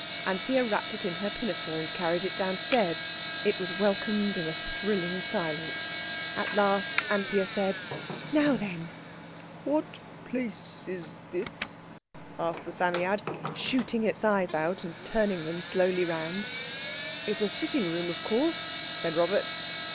Anthea wrapped it in her pinafore and carried it downstairs. It was welcomed in a thrilling silence. At last Anthea said, "Now then!" "What place is this?" asked the Psammead, shooting its eyes out and turning them slowly round. "It's a sitting room, of course," said Robert.